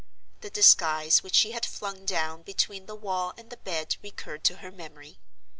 The disguise which she had flung down between the wall and the bed recurred to her memory.